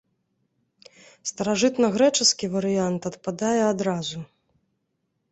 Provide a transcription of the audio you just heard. Старажытнагрэчаскі варыянт адпадае адразу.